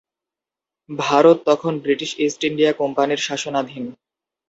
ভারত তখন British East India কোম্পানির শাসনাধীন।